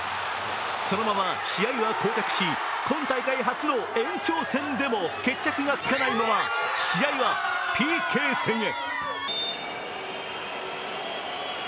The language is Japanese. そのまま試合はこう着し、今大会初の延長戦でも決着がつかないまま試合はＰＫ戦へ。